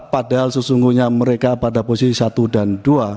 padahal sesungguhnya mereka pada posisi satu dan dua